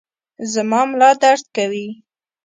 زما ملا درد کوي